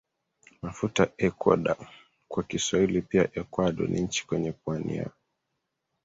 mafuta Ekuador kwa Kiswahili pia Ekwado ni nchi kwenye pwani ya